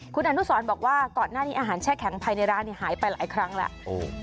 คุณอนุสรบอกว่าก่อนหน้านี้อาหารแช่แข็งภายในร้านหายไปหลายครั้งแล้ว